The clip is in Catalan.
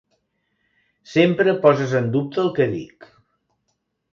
Sempre poses en dubte el que dic.